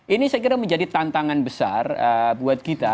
ini saya kira menjadi tantangan besar buat kita